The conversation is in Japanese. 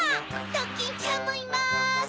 ドキンちゃんもいます！